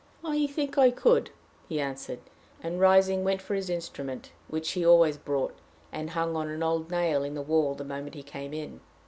"I think I could," he answered, and, rising, went for his instrument, which he always brought, and hung on an old nail in the wall the moment he came in.